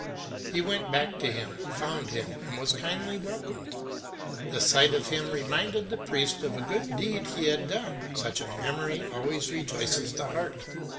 He went back to him, found him, and was kindly welcomed; the sight of him reminded the priest of a good deed he had done; such a memory always rejoices the heart.